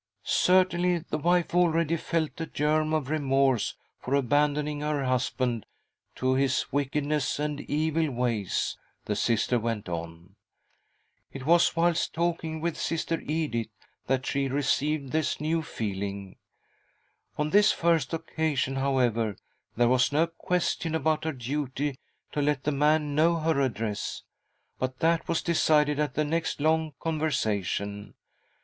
" Certainly the wife already felt a germ of remorse for abandoning her husband to his wickedness and evil ways," the Sister went on. " It was whilst talking with Sister Edith that she received this new feeling. On this first occasion, however, there was o — c 3 c >>> n — c ISw 2 2 C C/3 •.'■';';::'; A CALL FROM THE PAST 97 no question about her duty to let the man know her address, but that was decided at the next long conversation'.